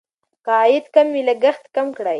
که عاید کم وي لګښت کم کړئ.